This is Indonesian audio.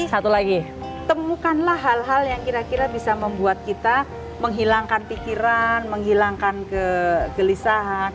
satu lagi temukanlah hal hal yang kira kira bisa membuat kita menghilangkan pikiran menghilangkan kegelisahan